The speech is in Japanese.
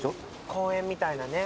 公園みたいなね。